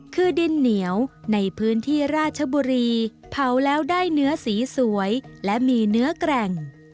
คือดินเหนียวในพื้นที่ราชบุรีเผาแล้วได้เนื้อสีสวยและมีเนื้อแกร่ง